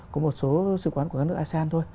có một số sư quán của các nước asean thôi